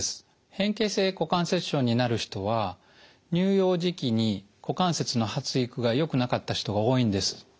変形性股関節症になる人は乳幼児期に股関節の発育がよくなかった人が多いんです。